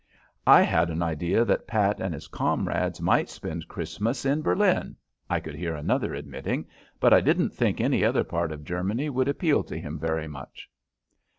"I had an idea that Pat and his comrades might spend Christmas in Berlin," I could hear another admitting, "but I didn't think any other part of Germany would appeal to him very much."